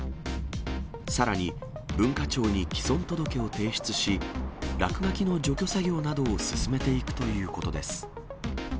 さらに、文化庁に毀損届を提出し、落書きの除去作業などを進めていくということです。